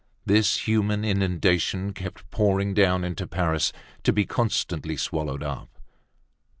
This human inundation kept pouring down into Paris to be constantly swallowed up.